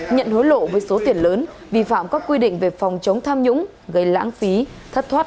nhận hối lộ với số tiền lớn vi phạm các quy định về phòng chống tham nhũng gây lãng phí thất thoát